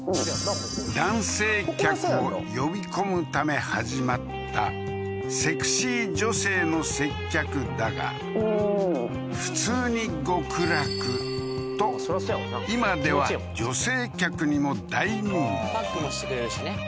ここ男性客を呼び込むため始まったセクシー女性の接客だが普通に極楽と今では女性客にも大人気ああーパックもしてくれるしね